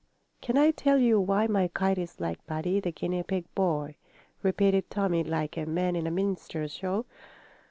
"Can I tell you why my kite is like Buddy, the guinea pig boy?" repeated Tommie, like a man in a minstrel show.